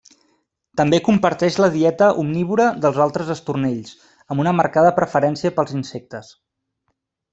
També comparteix la dieta omnívora dels altres estornells, amb una marcada preferència pels insectes.